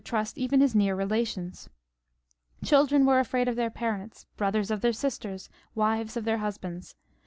trust even their near relations. Children were afraid of their parents; brothers of their sisters; wives of their husbands.